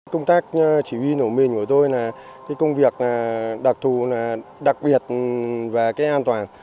công tác chỉ huy nổ mìn của tôi là công việc đặc thù đặc biệt và an toàn